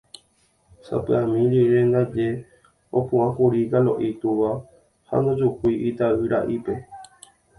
Sapy'ami rire ndaje opu'ãkuri Kalo'i túva ha ndojuhúi ita'yra'ípe.